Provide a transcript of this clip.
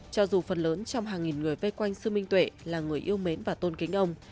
cho dù phần lớn trong hàng nghìn người vây quanh sư minh tuệ là người yêu mến và tôn kính ông